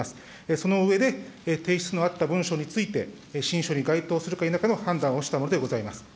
その上で、提出のあった文書について、信書に該当するか否かの判断をしたものでございます